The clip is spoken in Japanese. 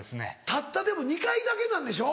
たったでも２回だけなんでしょ？